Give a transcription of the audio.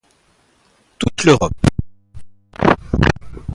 Toute l'Europe.